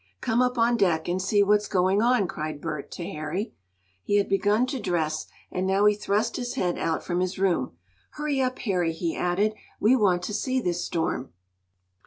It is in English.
"Come up on deck and see what's going on!" cried Bert to Harry. He had begun to dress, and now he thrust his head out from his room. "Hurry up, Harry," he added. "We want to see this storm."